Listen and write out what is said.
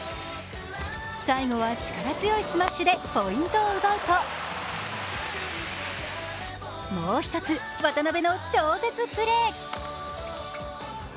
最後は力強いスマッシュでポイントを奪うともう一つ、渡辺の超絶プレー。